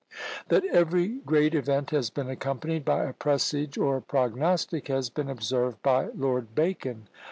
That every great event has been accompanied by a presage or prognostic, has been observed by Lord Bacon.